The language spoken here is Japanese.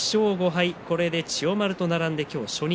これで千代丸と並んで初日。